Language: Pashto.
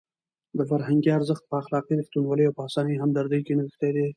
د فرهنګ ارزښت په اخلاقي رښتینولۍ او په انساني همدردۍ کې نغښتی دی.